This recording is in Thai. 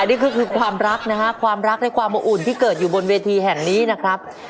ขออายเป็นคือความรักความรักได้ความอุ่นได้ยังเงียบสู่เองบนเวทีแหลกนี้นะครับ